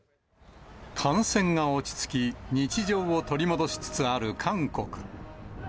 感染が落ち着き、日常を取り戻しつつある韓国。